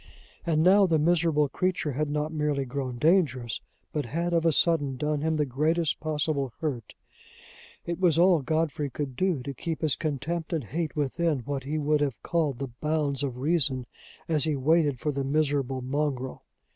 And now the miserable creature had not merely grown dangerous, but had of a sudden done him the greatest possible hurt! It was all Godfrey could do to keep his contempt and hate within what he would have called the bounds of reason, as he waited for "the miserable mongrel."